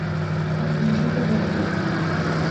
ভালোবাসা তো বর্বর!